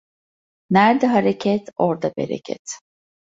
Nerde hareket, orda bereket.